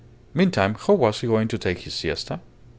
Meantime, how was he going to take his siesta?